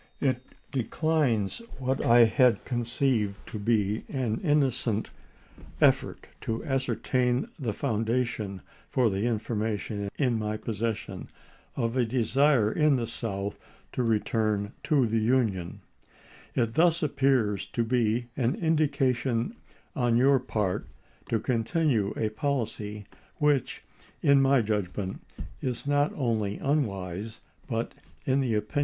"It declines what I had conceived to be an innocent effort to ascertain the foundation for information in my possession of a desire in the South to return to the Union. It thus appears to be an indication on your part to continue a policy which, in THE DEFEAT OF THE PEACE PAKTY AT THE POLLS 369 my judgment, is not only unwise, but, in the opin ch.